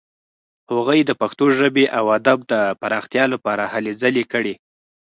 هغوی د پښتو ژبې او ادب د پرمختیا لپاره هلې ځلې کړې.